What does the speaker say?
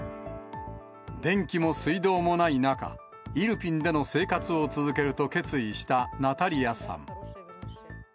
電気も水道もない中、イルピンでの生活を続けると決意したナタリアさん。